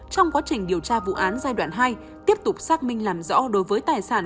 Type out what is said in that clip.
trong quá trình điều tra vụ án giai đoạn hai tiếp tục xác minh làm rõ đối với tài sản